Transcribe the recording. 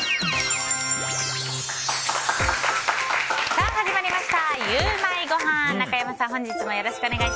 さあ、始まりましたゆウマいごはん。